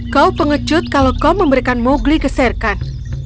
kau pengecut kalau kau memberikan mowgli ke shere khan